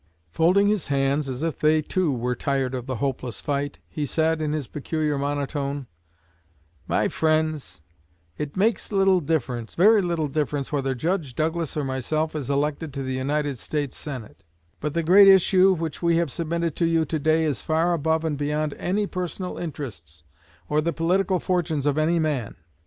Folding his hands, as if they too were tired of the hopeless fight, he said, in his peculiar monotone: "My friends, it makes little difference, very little difference, whether Judge Douglas or myself is elected to the United States Senate; but the great issue which we have submitted to you to day is far above and beyond any personal interests or the political fortunes of any man.